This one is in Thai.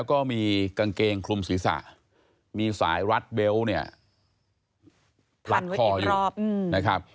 ก็มีกางเกงคลุมศรีษะมีสายรัดเบลต์รัดคออยู่